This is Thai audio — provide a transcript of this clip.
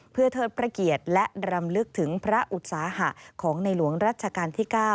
เพื่อเทิดพระเกียรติและรำลึกถึงพระอุตสาหะของในหลวงรัชกาลที่๙